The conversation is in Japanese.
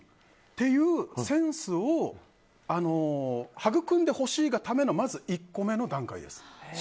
ていうセンスを育んでほしいがためのまず１個目の段階です。